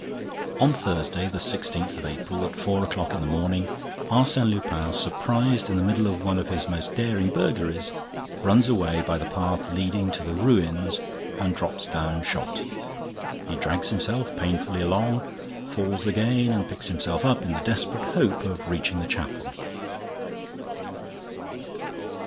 On Thursday the sixteenth of April, at four o'clock in the morning, Arsène Lupin, surprised in the middle of one of his most daring burglaries, runs away by the path leading to the ruins and drops down shot. He drags himself painfully along, falls again and picks himself up in the desperate hope of reaching the chapel.